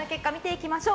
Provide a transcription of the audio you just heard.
いきましょう。